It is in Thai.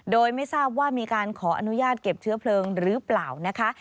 โดยไม่ทราบว่ามีการขออนุญาตเก็บเชื้อเพลิงหรือเปล่านะคะ